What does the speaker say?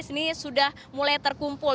disini sudah mulai terkumpul